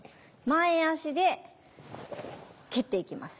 前足で蹴っていきます。